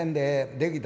できた？